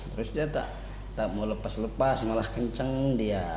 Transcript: terus dia tak mau lepas lepas malah kenceng dia